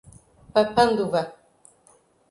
Papanduva